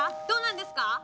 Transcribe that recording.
「どうなんですか？」